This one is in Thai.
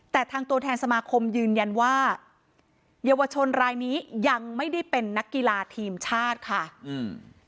แต่ทางตัวแทนสมาคมยืนยันว่าเยาวชนรายนี้ยังไม่ได้เป็นนักกีฬาทีมชาติค่ะอืม